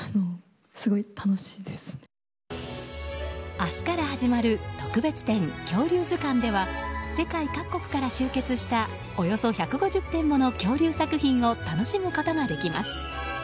明日から始まる「特別展恐竜図鑑」では世界各国から集結したおよそ１５０点もの恐竜作品を楽しむことができます。